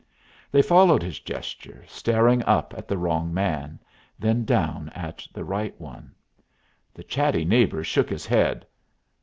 They followed his gesture, staring up at the wrong man, then down at the right one. The chatty neighbor shook his head.